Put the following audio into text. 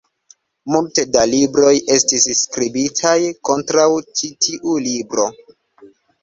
Multe da libroj estis skribitaj kontraŭ ĉi tiu libro.